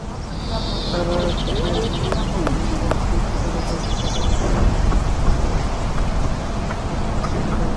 তার রাগ ভীমপলশ্রী শ্রোতা-দর্শককে তাদের আসনে সম্পূর্ণ নীরবতায় আসীন করে রেখেছিল।